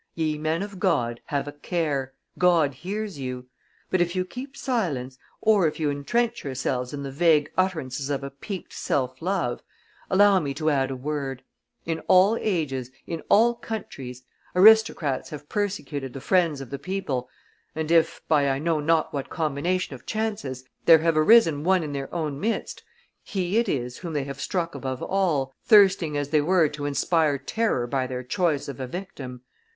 Ye men of God, have a care; God hears you! But, if you keep silence, or if you intrench yourselves in the vague utterances of a piqued self love, allow me to add a word. In all ages, in all countries, aristocrats have persecuted the friends of the people, and if, by I know not what combination of chances, there have arisen one in their own midst, he it is whom they have struck above all, thirsting as they were to inspire terror by their choice of a victim.